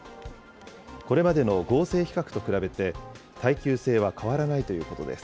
これまでの合成皮革と比べて、耐久性は変わらないということです。